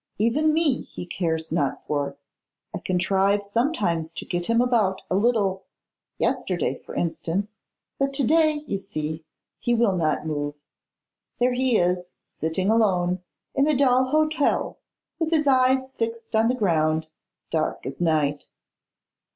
Even me he cares not for. I contrive sometimes to get him about a little; yesterday, for instance; but to day, you see, he will not move. There he is, sitting alone, in a dull hotel, with his eyes fixed on the ground, dark as night.